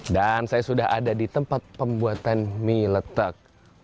dan saya sudah ada di tempat pembuatan mie letek